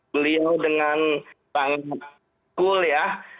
beliau dengan sangat cool ya